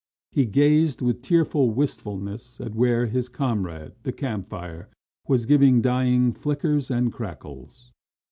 He gazed with tearful wistfulness at where his comrade, the campfire, was giving dying flickers and crackles.